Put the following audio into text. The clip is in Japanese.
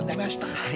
はい。